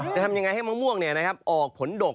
จะทำยังไงให้มะม่วงออกผลดก